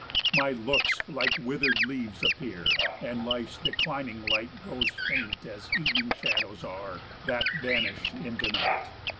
9 My looks like wither'd leaves appear, And life's declining light Grows faint as evening shadows are, That vanish into night.